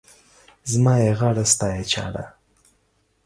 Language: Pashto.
زما يې غاړه، ستا يې چاړه.